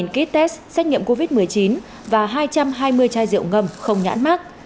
một ký test xét nghiệm covid một mươi chín và hai trăm hai mươi chai rượu ngâm không nhãn mát